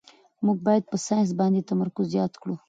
موږ باید په ساینس باندې تمرکز زیات کړو